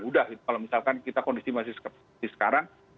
udah kalau misalkan kita kondisi masih sekarang